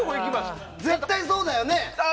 絶対そうだよね！